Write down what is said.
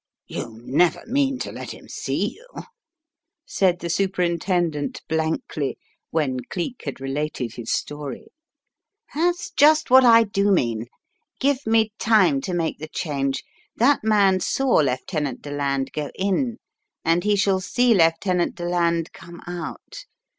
"You never mean to let him see you!" said the Superintendent blankly when Cleek had related his story. "That's just what I do mean. Give me time to make the change. That man saw Lieutenant Deland go in, and he shall see Lieutenant Deland come out.